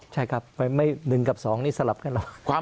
ใช่ครับไปไม่หนึ่งกับสองนี่สลับกันแล้ว